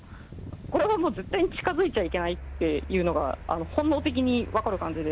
これはもう絶対に近づいちゃいけないっていうのが、本能的に分かる感じで。